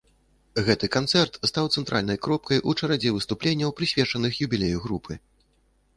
Гэты канцэрт стаў цэнтральнай кропкай у чарадзе выступленняў, прысвечаных юбілею групы.